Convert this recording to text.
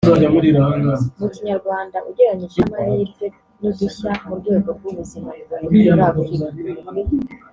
mu Kinyarwanda ugereranije ni ‘Amahirwe n’udushya mu rwego rw’ubuzima biboneka muri Africa’